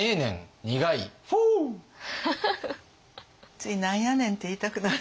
つい「なんやねん」って言いたくなる。